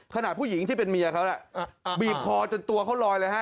ขนาดผู้หญิงที่เป็นเมียเขาแหละอ่ะอ่ะอ่ะบีบคอจนตัวเขาลอยเลยฮะ